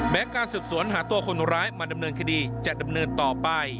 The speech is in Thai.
การสืบสวนหาตัวคนร้ายมาดำเนินคดีจะดำเนินต่อไป